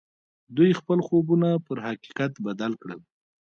دوی خپل خوبونه پر حقيقت بدل کړل.